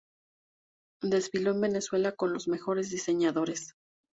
Desfiló en Venezuela con los mejores diseñadores.